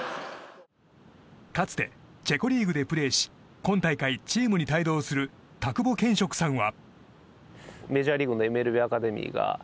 かつてチェコリーグでプレーし今大会チームに帯同する田久保賢植さんは。